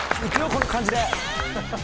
この感じで。